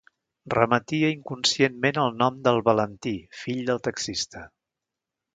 Remetia inconscientment al nom del Valentí fill del taxista.